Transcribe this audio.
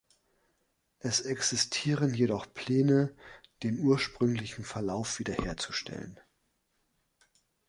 Es existieren jedoch Pläne den ursprünglichen Verlauf wiederherzustellen.